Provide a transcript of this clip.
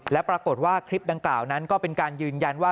และปรากฏว่าคลิปดังกล่าวนั้นก็เป็นการยืนยันว่า